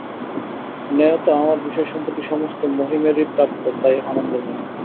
ন্যায়ত আমার বিষয়সম্পত্তি সমস্ত মহিমেরই প্রাপ্য– তাই– আনন্দময়ী।